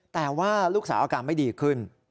แต่ว่าลูกสาวอาการไม่ดีขึ้น